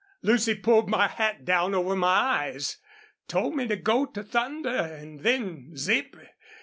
"Lucy pulled my hat down over my eyes told me to go to thunder an' then, zip!